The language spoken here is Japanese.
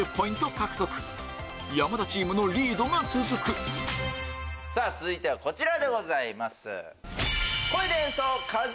獲得山田チームのリードが続く続いてはこちらでございます。